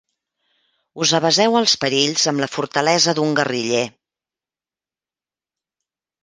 Us aveseu als perills amb la fortalesa d'un guerriller.